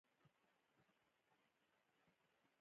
په خبرو اسمان راکوزوي.